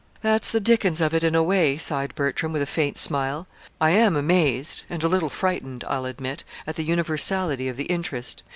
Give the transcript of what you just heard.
"That's the dickens of it, in a way," sighed Bertram, with a faint smile. "I am amazed and a little frightened, I'll admit at the universality of the interest.